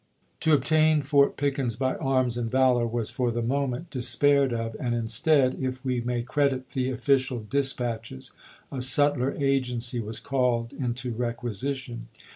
To obtain Fort Pickens by arms and valor was for the moment despaired of, and instead, if we may credit the official dispatches, a subtler agency was called into requisition.